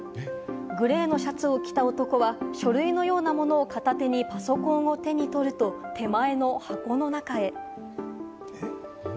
グレーのシャツを着た男が書類のようなものを片手にパソコンを手に取ると、手前の箱の中へ。